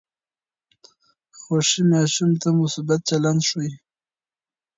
خوښي ماشوم ته مثبت چلند ښووي.